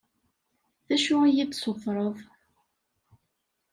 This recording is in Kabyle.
D acu i yi-d-tessutreḍ?